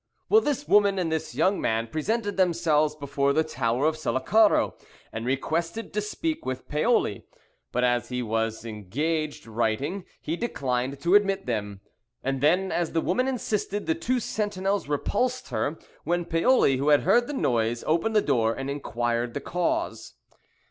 "Well, this woman and this young man presented themselves before the Tower of Sullacaro and requested to speak with Paoli; but as he was engaged writing, he declined to admit them; and then, as the woman insisted, the two sentinels repulsed her, when Paoli, who had heard the noise, opened the door and inquired the cause."